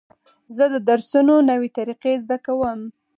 زه د درسونو نوې طریقې زده کوم.